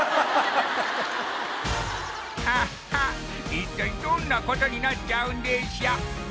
一体どんなことになっちゃうんでしょ？